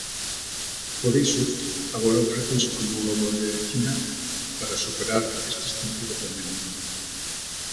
Por iso, agora ofrécense como unha boa medicina para superar estes tempos de pandemia.